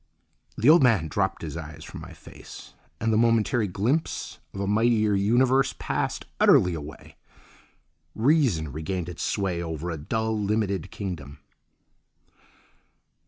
The old man dropped his eyes from my face, and the momentary glimpse of a mightier universe passed utterly away. Reason regained its sway over a dull, limited kingdom.